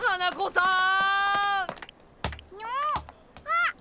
あっ！